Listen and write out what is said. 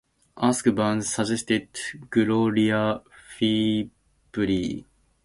"Ask Bounds," suggested Gloria feebly.